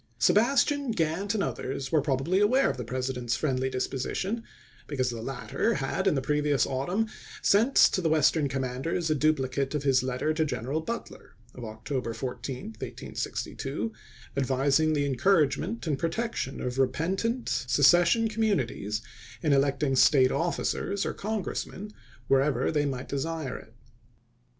Sebastian, Gantt, and others were probably aware of the President's friendly disposition, be cause the latter had in the previous autumn sent to the Western commanders a duplicate of his letter to General Butler (of October 14, 1862), advising the encouragement and protection of repentant se cession communities in electing State officers or Congressmen, wherever they might desire it.